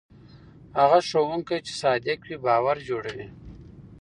هغه ښوونکی چې صادق وي باور جوړوي.